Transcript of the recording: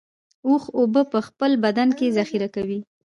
اوښ اوبه په خپل بدن کې ذخیره کوي